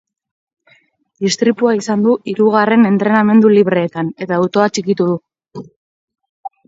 Istripua izan du hirugarren entrenamendu libreetan eta autoa txikitu du.